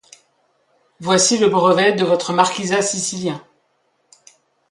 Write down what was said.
Voici le brevet de votre marquisat sicilien.